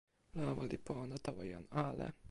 lawa li pona tawa jan ale.